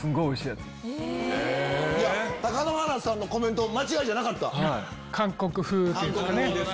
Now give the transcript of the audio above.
貴乃花さんのコメント間違いじゃなかった。